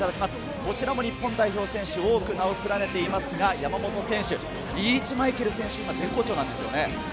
こちらも日本代表選手が多く名を連ねていますが山本選手、リーチ・マイケル選手が絶好調なんですよね。